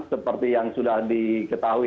seperti yang sudah diketahui